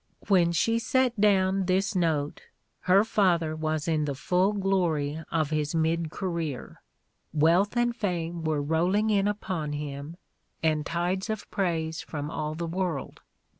When she set down this note The Playboy in Letters 155 her father was in the full glory of his mid career; wealth and fame were rolling in upon him and tides of praise from aU the world.